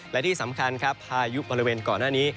และที่สำคัญครับพายุบริเวณก่อนหน้านี้